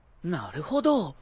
なるほど！